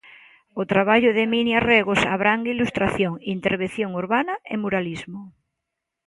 O traballo de Minia Regos abrangue ilustración, intervención urbana e muralismo.